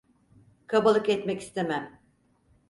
Kabalık etmek istemem.